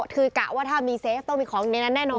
คือกะว่าถ้ามีเซฟต้องมีของในนั้นแน่นอน